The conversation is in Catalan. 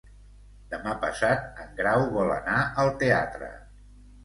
Demà passat en Grau vol anar al teatre.